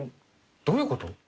どういうこと？